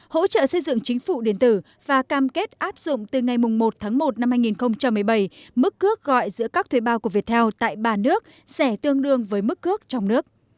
hỗ trợ xây dựng chính phủ điện tử và cam kết áp dụng từ ngày một tháng một năm hai nghìn một mươi bảy mức cước gọi giữa các thuê bao của viettel tại ba nước sẽ tương đương với mức cước trong nước